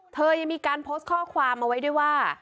ยังมีการโพสต์ข้อความเอาไว้ด้วยว่า